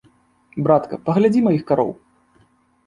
Братка, паглядзі маіх кароў.